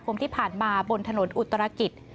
ความที่ผ่านมาบนถนนอุตราศิกษ์